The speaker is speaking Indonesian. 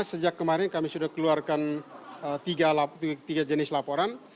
sejak kemarin kami sudah keluarkan tiga jenis laporan